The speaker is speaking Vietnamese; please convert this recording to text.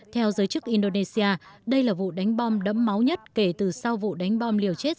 theo giới chức indonesia đây là vụ đánh bom đẫm máu nhất kể từ sau vụ đánh bom liều chết